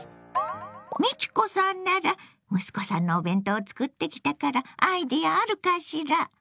美智子さんなら息子さんのお弁当を作ってきたからアイデアあるかしら？